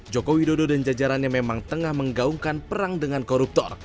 joko widodo dan jajarannya memang tengah menggaungkan perang dengan koruptor